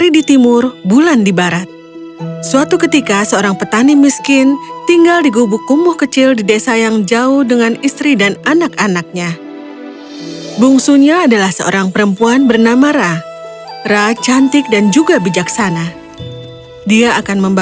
dongeng bahasa indonesia